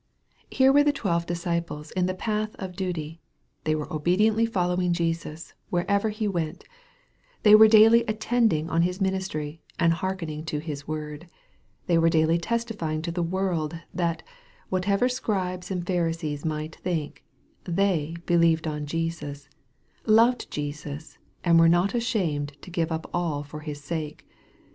Here were the twelve disciples in the path of duty. They were obediently following Jesus, wherever he went. They were daily attending on His ministry, and hearkening to His word. They were daily testifying to the world, that, whatever Scribes and Pharisees might think, they be lieved on Jesus, loved Jesus, and were not ashamed to give up all for His sake.